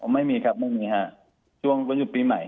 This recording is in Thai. ไม่มีครับไม่มีฮะช่วงวันหยุดปีใหม่